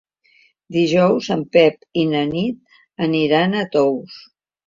Dijous en Pep i na Nit aniran a Tous.